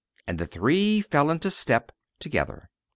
And the three fell into step together.